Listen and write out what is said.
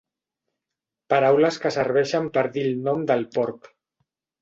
Paraules que serveixen per dir el nom del porc.